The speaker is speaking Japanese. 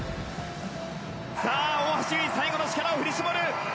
さあ大橋最後の力を振り絞る。